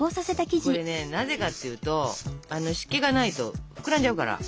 これねなぜかっていうと湿気がないと膨らんじゃうから。